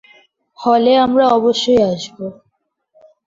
হলে আমরা অবশ্যই আসব।